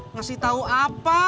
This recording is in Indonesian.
ngasih tau apa